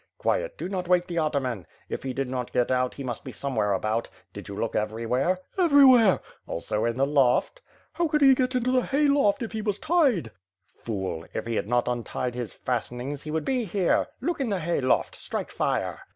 "Quiet, do not wake the ataman. If he did not get out, he must be somewhere about. Did you look everywhere?" "Everywhere." "Also in the loft?" "How could he get into the hayloft, if he was tied." "Fool! If he had not untied his fastenings he would be here. Look in the hay loft! Strike fire!"